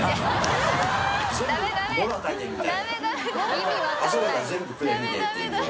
意味分かんない。